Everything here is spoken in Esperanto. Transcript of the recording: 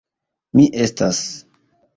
Mi estas.